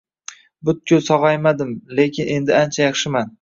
Butkul sog’aymadim lekin endi ancha yaxshiman.